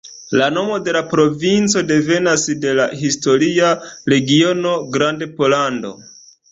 La nomo de la provinco devenas de la historia regiono Grandpollando.